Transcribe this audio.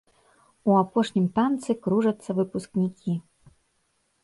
У апошнім танцы кружацца выпускнікі.